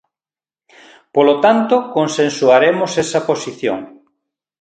Polo tanto, consensuaremos esa posición.